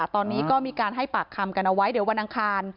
ตอนนี้ก็มีการให้ปากคำกันเอาไว้เดี๋ยววันอังคาร